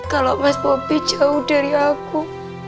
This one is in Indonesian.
kalau mas bobi jauh dari aku